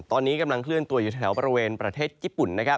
ตอนนี้กำลังเคลื่อนตัวอยู่แถวบริเวณประเทศญี่ปุ่นนะครับ